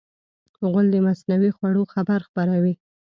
غول د مصنوعي خوړو خبر خپروي.